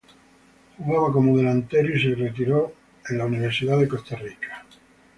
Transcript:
Jugaba como delantero y se retiró en la Universidad de Costa Rica.